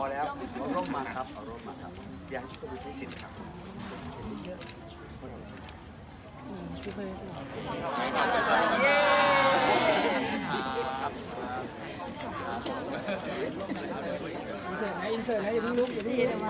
พวกเราพวกกำกัดบันเทิงมีหน้าที่ทำความเสี่ยงให้เมื่อเดียว